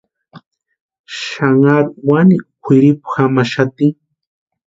Xanharu wani kʼwiripu jamaxati.